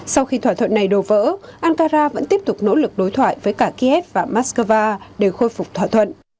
sau khi thỏa thuận này đổ vỡ ankara vẫn tiếp tục nỗ lực đối thoại với cả kiev và moscow để khôi phục thỏa thuận